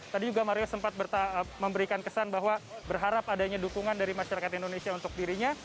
tadi juga mario sempat memberikan kesan bahwa berharap adanya dukungan dari masyarakat indonesia untuk dirinya